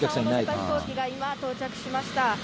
飛行機が今、到着しました。